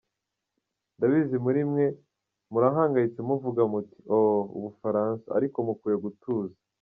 Ndabizi bamwe muri mwe murahangayitse muvuga muti oh.., u Bufaransa..., ariko mukwiye gutuza.